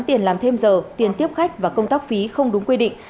tiền làm thêm giờ tiền tiếp khách và công tác phí không đúng quy định